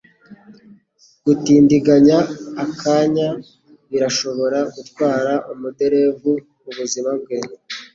Gutindiganya akanya birashobora gutwara umuderevu ubuzima bwe.